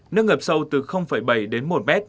nước ngập sâu từ bảy đến một mét